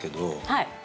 はい。